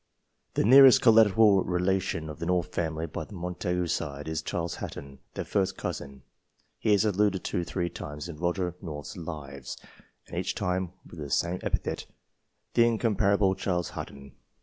The nearest collateral relation of the North family by the Montagu side is Charles Hatton, their first cousin. He is alluded to three times in Roger North's " Lives," and each time with the same epithet " the incomparable Charles Hatton."